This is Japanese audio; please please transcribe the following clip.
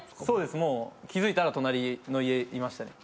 そう気付いたら隣の家いました。